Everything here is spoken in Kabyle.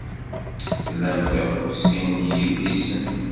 Tlamt akk sin n yidlisen.